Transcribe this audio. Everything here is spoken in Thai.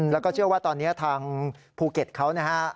แล้วก็เชื่อว่าตอนนี้ทางภูเก็ตเขานะฮะ